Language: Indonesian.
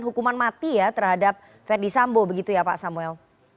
hukuman mati ya terhadap ferdisambo begitu ya pak samuel